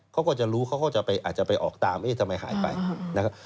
เขาก็จะรู้เขาก็จะอาจจะไปออกตามเอ๊ะทำไมหายไปนะครับ